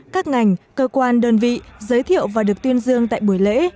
các ngành cơ quan đơn vị giới thiệu và được tuyên dương tại buổi lễ